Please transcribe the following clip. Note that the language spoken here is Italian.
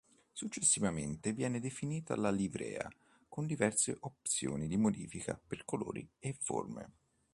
Successivamente viene definita la livrea con diverse opzioni di modifica per colori e forme.